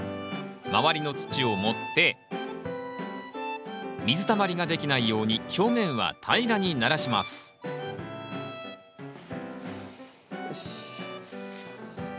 周りの土を盛って水たまりができないように表面は平らにならしますよし。